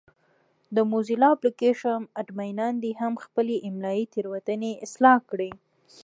د موزیلا اپلېکشن اډمینان دې هم خپلې املایي تېروتنې اصلاح کړي.